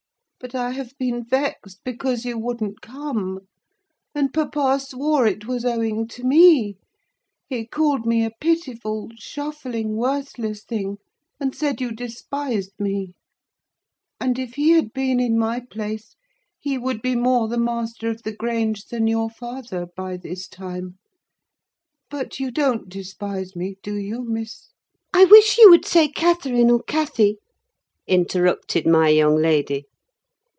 "But I have been vexed, because you wouldn't come. And papa swore it was owing to me: he called me a pitiful, shuffling, worthless thing; and said you despised me; and if he had been in my place, he would be more the master of the Grange than your father by this time. But you don't despise me, do you, Miss—?" "I wish you would say Catherine, or Cathy," interrupted my young lady.